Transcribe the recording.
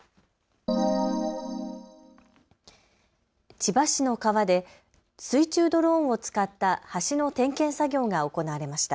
千葉市の川で水中ドローンを使った橋の点検作業が行われました。